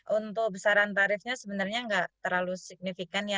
untuk besaran tarifnya sebenarnya nggak terlalu signifikan ya